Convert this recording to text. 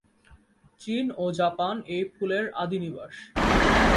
চীন ও জাপান এই ফুলের আদি নিবাস।